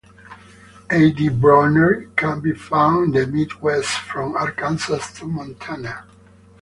"E. d. bruneri" can be found in the midwest from Arkansas to Montana.